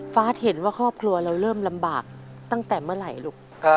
สเห็นว่าครอบครัวเราเริ่มลำบากตั้งแต่เมื่อไหร่ลูก